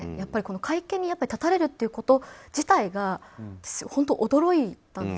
会見に立たれるということ自体が驚いたんです。